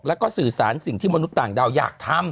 แล้วก็สื่อสารสิ่งที่มนุษย์ต่างดาวอยากทำ